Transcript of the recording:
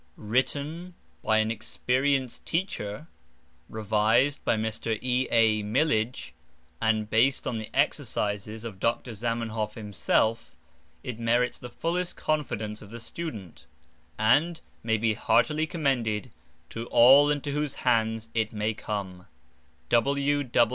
Written by an experienced teacher, revised by Mr. E. A. Millidge, and based on the exercises of Dr. Zamenhof himself, it merits the fullest confidence of the student, and may be heartily commended to all into whose hands it may come.